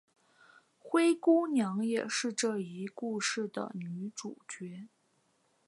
灰姑娘也是这一故事的女主角。